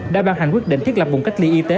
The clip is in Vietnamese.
đã ban hành quyết định thiết lập vùng cách ly y tế